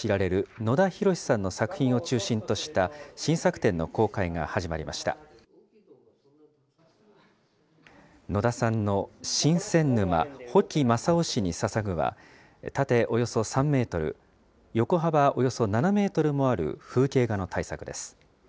野田さんの、神仙沼ー保木将夫氏に捧ぐーは、縦およそ３メートル、横幅およそ７メートルもある風景画の大作です。